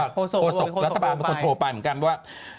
โฆษกรัฐบาลเป็นคนโทรไปเหมือนกันว่า